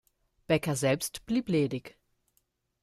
Becker selbst blieb ledig.